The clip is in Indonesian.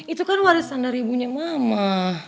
itu kan warisan dari ibunya mama